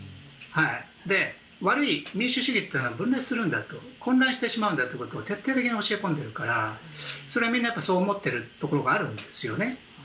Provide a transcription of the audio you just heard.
悪い民主主義は分裂するんだと混乱してしまうんだということを徹底的に教え込んでいるからそれはみんなそう思っているところがあるんです。